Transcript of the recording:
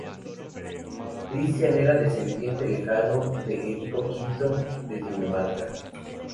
Cristián era descendiente lejano de Erico V de Dinamarca.